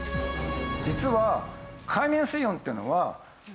実は。